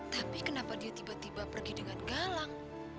tapi kenapa dia tiba tiba pergi dengan galang